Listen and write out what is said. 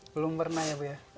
belum pernah ya bu ya